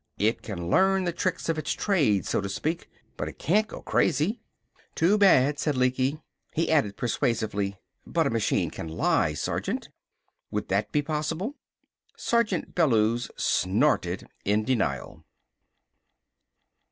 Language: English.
It can learn the tricks of its trade, so to speak. But it can't go crazy!" "Too bad!" said Lecky. He added persuasively: "But a machine can lie, Sergeant? Would that be possible?" Sergeant Bellews snorted in denial.